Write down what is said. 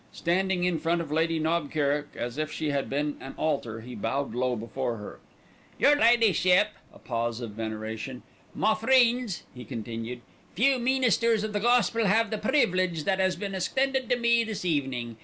Standing in front of Lady Knob Kerrick as if she had been an altar, he bowed low before her. "Your Leddyship." A pause of veneration. "Ma Freends," he continued. "Few meenisters of the Gospel have the preevilege that has been extended to me this evening.